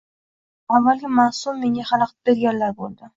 Ha avvalgi mavsum menga xalaqit berganlar bo‘ldi